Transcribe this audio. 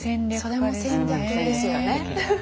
それも戦略ですよね。